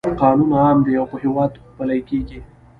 قانون عام دی او په هیواد پلی کیږي.